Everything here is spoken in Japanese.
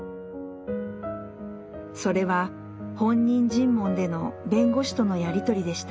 それは本人尋問での弁護士とのやり取りでした。